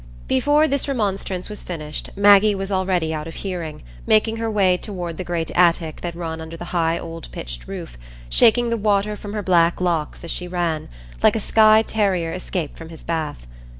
Before this remonstrance was finished, Maggie was already out of hearing, making her way toward the great attic that ran under the old high pitched roof, shaking the water from her black locks as she ran, like a Skye terrier escaped from his bath.